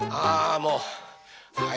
もうはい。